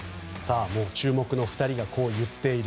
注目の２人がこう言っている。